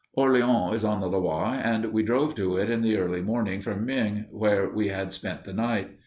Orleans is on the Loire, and we drove to it in the early morning from Meung, where we had spent the night.